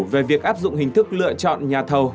về việc áp dụng hình thức lựa chọn nhà thầu